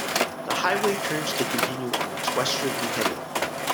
The highway turns to continue on its westerly heading.